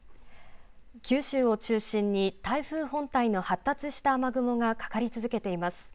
九州を中心に台風本体の発達した雨雲がかかり続けています。